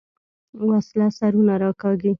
وسله سرونه راکاږي